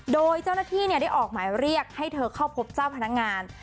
โดยเจ้าหน้าที่ได้ออกหมายเรียกให้เธอเข้าพบเจ้าพนักงาน